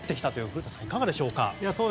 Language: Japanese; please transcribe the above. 古田さん、いかがですか？